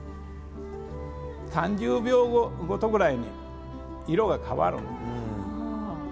３０秒ごとぐらいに色が変わるんです。